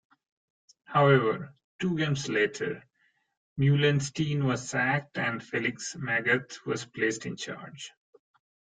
However, two games later, Meulensteen was sacked and Felix Magath was placed in charge.